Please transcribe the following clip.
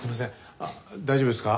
あっ大丈夫ですか？